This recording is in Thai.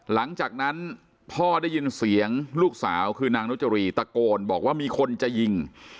หลังจากนั้นพ่อได้ยินเสียงลูกสาวคือนางนุจรีตะโกนบอกว่ามีคนจะยิง